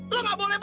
lo gak boleh balik